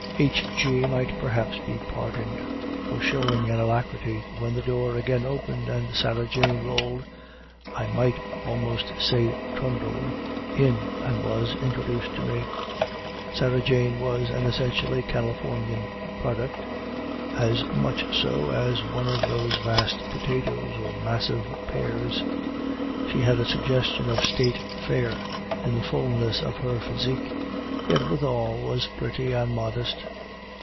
H. G. might perhaps be pardoned for showing an alacrity when the door again opened and Sarah Jane rolled I might almost say trundled in, and was introduced to me. Sarah Jane was an essentially Californian product, as much so as one of those vast potatoes or massive pears; she had a suggestion of State Fair in the fullness of her physique, yet withal was pretty and modest.